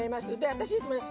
私いつもね